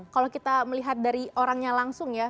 kalau kita melihat dari orangnya langsung ya